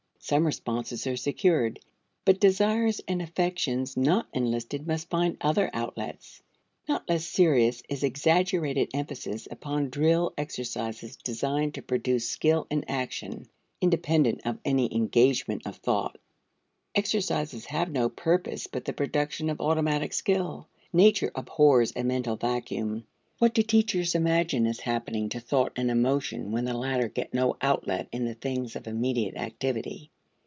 Some responses are secured, but desires and affections not enlisted must find other outlets. Not less serious is exaggerated emphasis upon drill exercises designed to produce skill in action, independent of any engagement of thought exercises have no purpose but the production of automatic skill. Nature abhors a mental vacuum. What do teachers imagine is happening to thought and emotion when the latter get no outlet in the things of immediate activity?